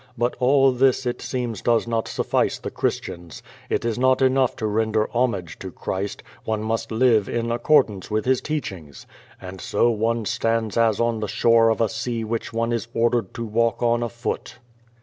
I>ut all this, it seems, does not sullice the Christians. It is not enough to render homage to Christ, one must live in accordance with His teachings. And so one stands as on the shore of a sea which one is ordered to walk on afoot.